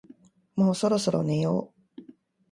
もうそろそろ寝よう